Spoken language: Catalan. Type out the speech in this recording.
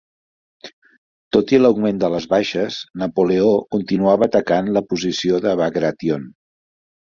Tot i l'augment de les baixes, Napoleó continuava atacant la posició de Bagration.